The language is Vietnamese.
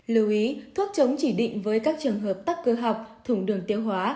lưu ý thuốc chống chỉ định với các trường hợp tắc cơ học thùng đường tiêu hóa